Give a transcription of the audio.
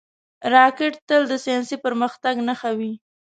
راکټ تل د ساینسي پرمختګ نښه وي